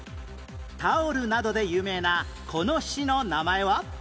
タオルなどで有名なこの市の名前は？